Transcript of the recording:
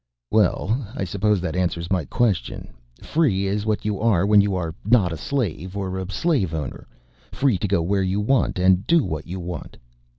"Well ... I suppose that answers my question. Free is what you are when you are not a slave, or a slave owner, free to go where you want and do what you want."